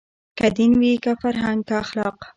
که دین وي که فرهنګ که اخلاق